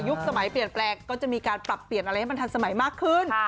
สมัยเปลี่ยนแปลงก็จะมีการปรับเปลี่ยนอะไรให้มันทันสมัยมากขึ้น